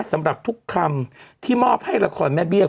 สำหรับทุกคำที่มอบให้ละครแม่เบี้ย